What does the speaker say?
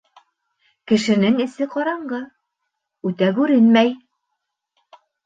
Кешенең эсе ҡараңғы, үтә күренмәй.